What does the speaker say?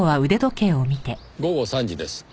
午後３時です。